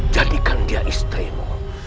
jadikan dia istrimu